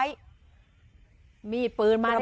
มี๑มีปืนมาเลย